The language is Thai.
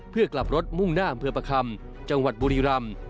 เพื่อกลับรถมุ่งหน้าอำเภอประคำจังหวัดบุรีรำ